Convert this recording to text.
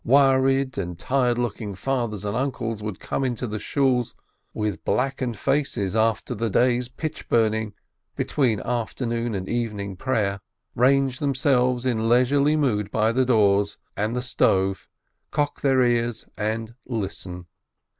Worried and tired looking fathers and uncles would come into the Shools with blackened faces after the day's pitch burning, between Afternoon and Evening Prayer, range themselves in leisurely mood by the doors and the stove, cock their ears, and listen.